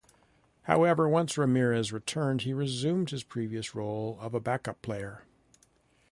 However, once Ramirez returned, he resumed his previous role of a backup player.